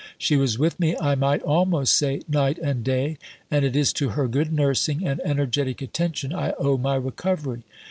She was with me, I might almost say, night and day, and it is to her good nursing and energetic attention I owe my recovery.